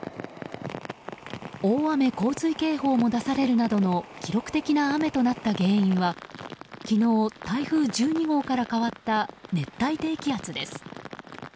大雨・洪水警報も出されるなどの記録的な雨となった原因は昨日、台風１２号から変わった熱帯低気圧です。